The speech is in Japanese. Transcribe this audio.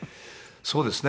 そうですね。